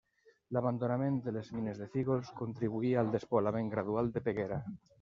L'abandonament de les mines de Fígols contribuí al despoblament gradual de Peguera.